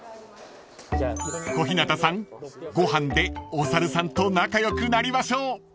［小日向さんご飯でお猿さんと仲良くなりましょう］